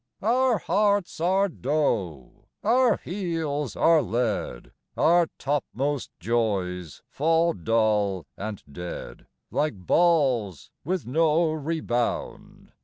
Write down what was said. XIX. Our hearts are dough, our heels are lead, Our topmost joys fall dull and dead Like balls with no rebound!